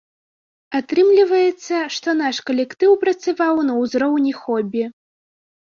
Атрымліваецца, што наш калектыў працаваў на ўзроўні хобі.